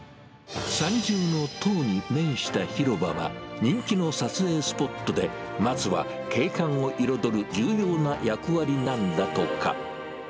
三重塔に面した広場は、人気の撮影スポットで、松は景観を彩る重要な役割なんだとか。